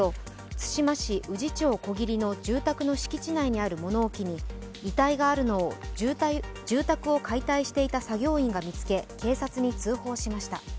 津島市宇治町小切の住宅の敷地内にある物置に遺体があるのを住宅を解体していた作業員が見つけ、警察に通報しました。